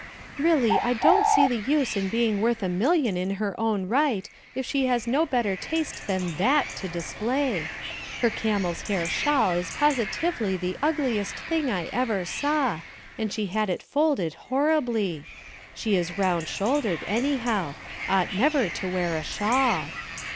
"Really I don't see the use in being worth a million in her own right, if she has no better taste than that to display. Her camels' hair shawl is positively the ugliest thing I ever saw, and she had it folded horribly. She is round shouldered, anyhow ought never to wear a shawl."